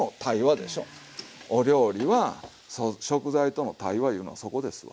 お料理は食材との対話いうのはそこですわ。